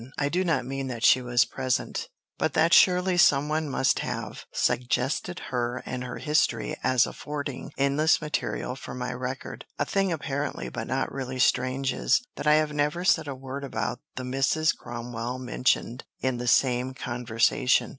I do not mean that she was present, but that surely some one must have suggested her and her history as affording endless material for my record. A thing apparently but not really strange is, that I have never said a word about the Mrs. Cromwell mentioned in the same conversation.